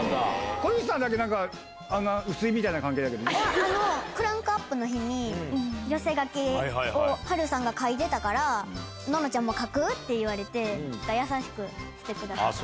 小西さんだけなんか、クランクアップの日に、寄せ書きをはるさんが書いてたから、暖乃ちゃんも書く？って言われて、優しくしてくださいました。